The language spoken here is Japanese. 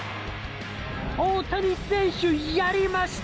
大谷選手やりました！